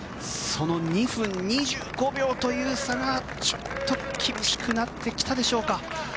その２分２５秒という差がちょっと厳しくなってきたでしょうか。